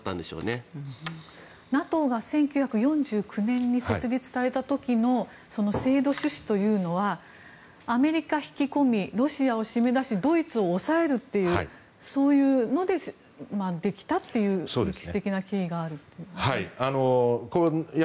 ＮＡＴＯが１９４９年に設立された時の制度趣旨というのはアメリカを引き込みロシアを締め出しドイツを抑えるというそういうのでできたという歴史的な経緯があるということですか。